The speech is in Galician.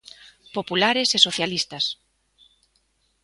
Populares e socialistas.